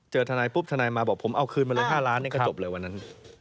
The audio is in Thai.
ทนายปุ๊บทนายมาบอกผมเอาคืนมาเลย๕ล้านนี่ก็จบเลยวันนั้น